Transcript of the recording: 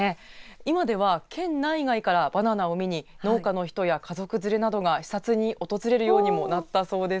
今では県内外からバナナを見に農家の人や家族連れが視察に訪れるようになったそうです。